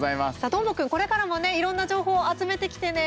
どーもくん、これからもいろんな情報集めてきてね。